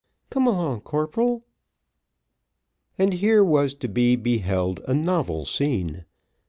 "Come along, corporal." And here was to be beheld a novel scene.